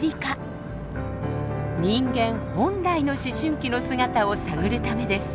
人間本来の思春期の姿を探るためです。